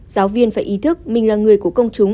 giáo viên phải ý thức mình là người của công chúng